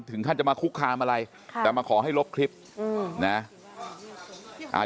ถึงขั้นจะมาคุกคามอะไรแต่มาขอให้ลบคลิปนะ